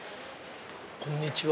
こんにちは。